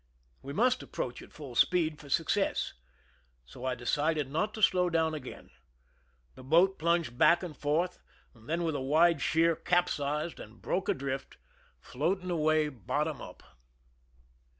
We must approach at full speed for success. So I decided not to slow down again. The boat plunged back and forth, then with a wide sheer cajDsized and broke adrift, floating away bottom up.